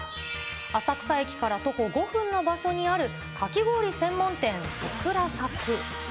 浅草駅から徒歩５分の場所にある、かき氷専門店、サクラ咲。